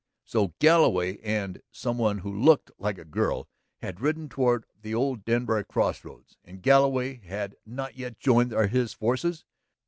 So Galloway and "some one who looked like a girl" had ridden toward the old Denbar cross roads. And Galloway had not yet joined his forces.